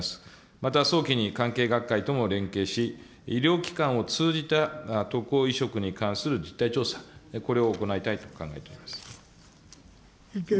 また早期に関係学会とも連携し、医療機関を通じた渡航移植に関する実態調査、これを行いたいと考えております。